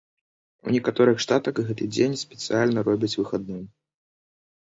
У некаторых штатах гэты дзень спецыяльна робяць выхадным.